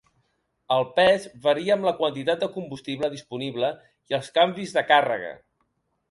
El pes varia amb la quantitat de combustible disponible i els canvis de càrrega.